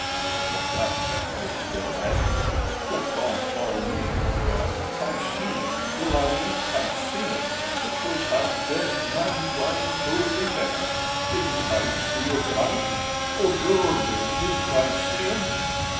Tippet looked up. His face was still ashy. "Yer cawn't tell me," he cried. "Hi seen hit. Blime, Hi seen hit. Hit was ha dead man flyin' through the hair. Didn't Hi see 'is heyes? Oh, Gord! Didn't Hi see 'em?"